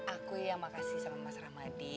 aku ya makasih sama mas ramadi